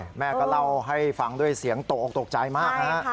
โอ้โฮแม่กระเล่าให้ฟังด้วยเสียงโตโต๊ะใจมาก